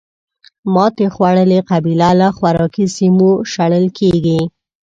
ماتې خوړلې قبیله له خوراکي سیمو شړل کېږي.